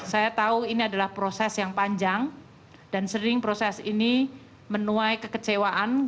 saya tahu ini adalah proses yang panjang dan sering proses ini menuai kekecewaan